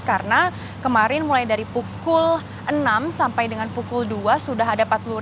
karena kemarin mulai dari pukul enam sampai dengan pukul dua sudah ada empat puluh